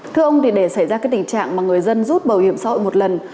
thưa ông thì để xảy ra cái tình trạng mà người dân rút bảo hiểm xã hội một lần